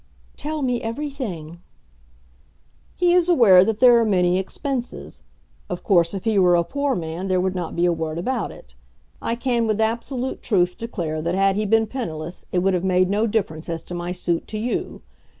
"Tell me everything." "He is aware that there are many expenses. Of course if he were a poor man there would not be a word about it. I can with absolute truth declare that had he been penniless it would have made no difference as to my suit to you.